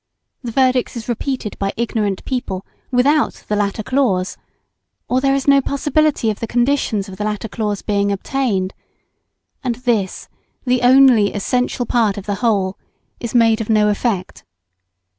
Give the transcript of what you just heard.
the verdict is repeated by ignorant people without the latter clause; or there is no possibility of the conditions of the latter clause being obtained; and this, the only essential part of the whole, is made of no effect.